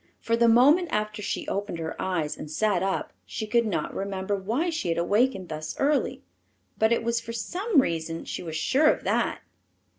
For the moment after she opened her eyes and sat up she could not remember why she had awakened thus early. But it was for some reason, she was sure of that.